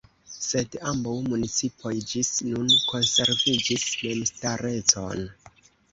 Sed ambaŭ municipoj ĝis nun konserviĝis memstarecon.